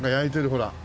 ほら。